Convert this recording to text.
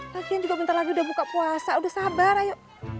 lagi lagi juga minta lagi udah buka puasa udah sabar ayo